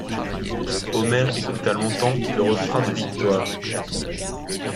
Omer écouta longtemps le refrain de victoire.